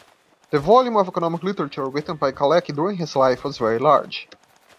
The volume of economic literature written by Kalecki during his life was very large.